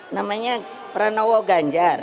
namanya pranowo ganjar